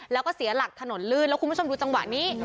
แล้วก็เสียหลักถนนลื่นแล้วคุณผู้ชมดูจังหวะนี้